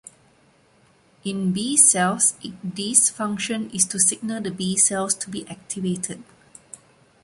In B cells, IgD's function is to signal the B cells to be activated.